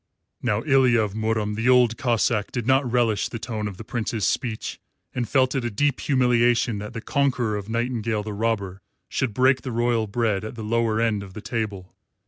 Now Ilya of Murom the Old Cossáck did not relish the tone of the Prince's speech, and felt it a deep humiliation that the conqueror of Nightingale the Robber should break the royal bread at the lower end of the table.